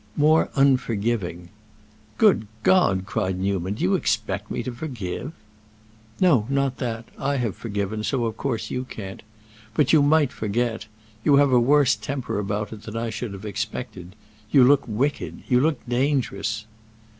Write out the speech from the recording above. "More unforgiving." "Good God!" cried Newman; "do you expect me to forgive?" "No, not that. I have forgiven, so of course you can't. But you might forget! You have a worse temper about it than I should have expected. You look wicked—you look dangerous."